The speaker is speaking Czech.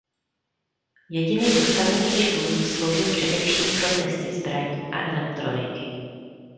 Jediný postavený člun sloužil především pro testy zbraní a elektroniky.